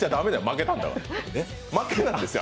負けたんですよ。